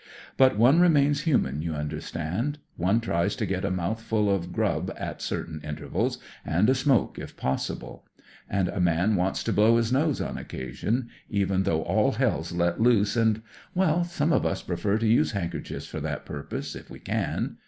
But one remains human, you understand. One tries to get a mouthful of grul: at certain intervals, and a smoke if possible. And a man wants to blow his nose on occasion, even though all hell's let loose, and — weU, some of us prefer to use handkerchiefs for that purpose, if we can.